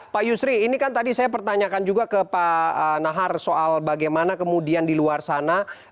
pak yusri ini kan tadi saya pertanyakan juga ke pak nahar soal bagaimana kemudian di luar sana